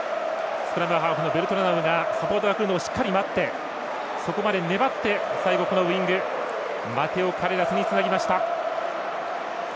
スクラムハーフのベルトラノウがサポートが来るのをしっかり待ってそこまで粘って、最後、ウイングマテオ・カレラスにつなぎました。